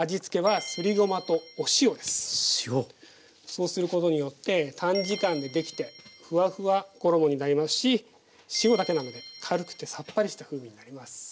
そうすることによって短時間でできてフワフワ衣になりますし塩だけなので軽くてさっぱりした風味になります。